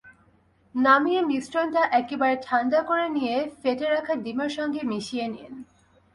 নামিয়ে মিশ্রণটা একেবারে ঠান্ডা করে নিয়ে ফেটে রাখা ডিমের সঙ্গে মিশিয়ে নিন।